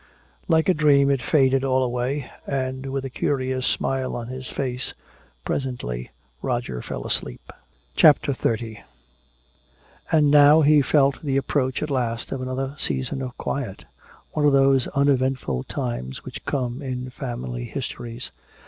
Like a dream it faded all away, and with a curious smile on his face presently Roger fell asleep. CHAPTER XXX And now he felt the approach at last of another season of quiet, one of those uneventful times which come in family histories.